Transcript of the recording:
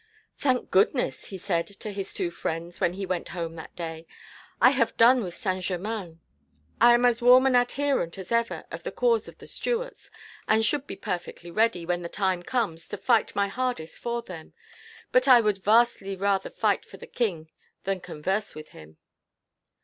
"Thank goodness," he said, to his two friends, when he went home that day, "I have done with Saint Germain. I am as warm an adherent as ever of the cause of the Stuarts, and should be perfectly ready, when the time comes, to fight my hardest for them; but I would vastly rather fight for the king, than converse with him."